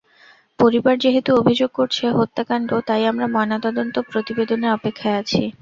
পরিবার যেহেতু অভিযোগ করছে হত্যাকাণ্ড, তাই আমরা ময়নাতদন্ত প্রতিবেদনের অপেক্ষায় আছি।